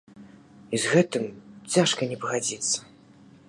І з гэтым цяжка не пагадзіцца.